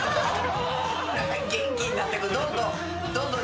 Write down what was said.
元気になってくどんどん。